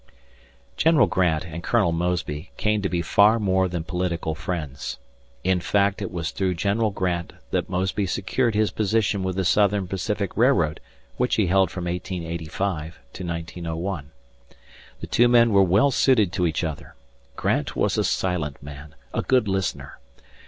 General Grant and Colonel Mosby came to be far more than political friends. In fact it was through General Grant that Mosby secured his position with the Southern Pacific Railroad which he held from 1885 to 1901. The two men were well suited to each other. Grant was a silent man a good listener.